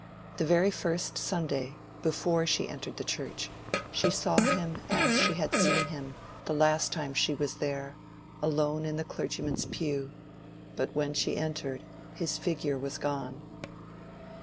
The very first Sunday, before she entered the church, she saw him as she had seen him the last time she was there, alone in the clergyman's pew; but when she entered his figure was gone.